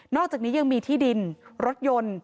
อกจากนี้ยังมีที่ดินรถยนต์